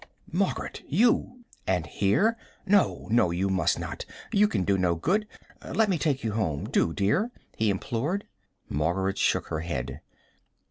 "Margaret, you! and here? No, no, you must not. You can do no good. Let me take you home, do, dear," he implored. Margaret shook her head.